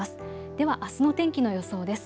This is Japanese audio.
ではあすの天気の予想です。